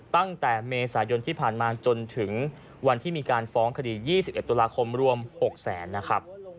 ตั้งแต่เมษายนที่ผ่านมาจนถึงวันที่มีการฟ้องคดี๒๑ตุลาคมรวม๖แสนนะครับ